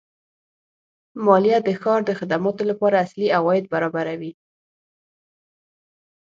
مالیه د ښار د خدماتو لپاره اصلي عواید برابروي.